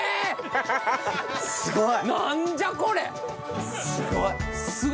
すごい！